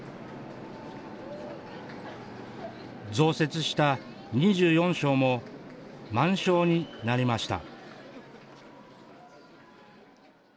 増設した２４床も満床になりました。